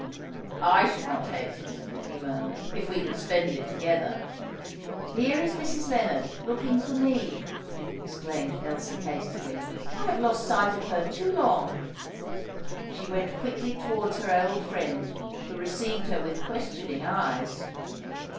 "I should not hate it," he murmured, "if we could spend it together." "Here is Mrs. Lennard looking for me," exclaimed Elsie hastily. "I have lost sight of her too long." She went quickly towards her old friend, who received her with questioning eyes.